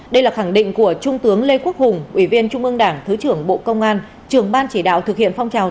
để lại nhiều tiếc thương cho cộng đồng xã hội